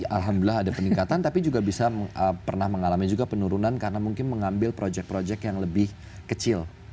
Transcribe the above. alhamdulillah ada peningkatan tapi juga bisa pernah mengalami juga penurunan karena mungkin mengambil projek project yang lebih kecil